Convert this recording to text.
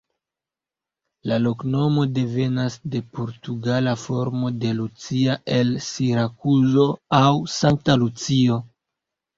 La loknomo devenas de portugala formo de Lucia el Sirakuzo aŭ "Sankta Lucio".